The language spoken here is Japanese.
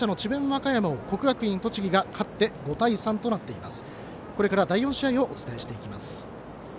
和歌山に国学院栃木が勝って、５対３となっています。